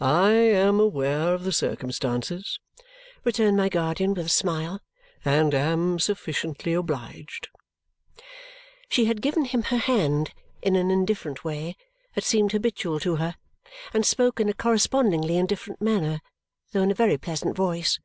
"I am aware of the circumstances," returned my guardian with a smile, "and am sufficiently obliged." She had given him her hand in an indifferent way that seemed habitual to her and spoke in a correspondingly indifferent manner, though in a very pleasant voice.